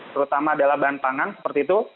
terutama adalah bahan pangan seperti itu